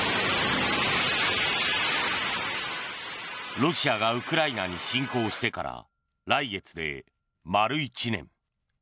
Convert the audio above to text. ロシアがウクライナに侵攻してから来月で丸１年。